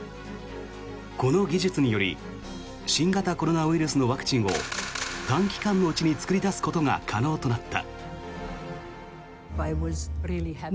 この技術により新型コロナウイルスのワクチンを短期間のうちに作り出すことが可能となった。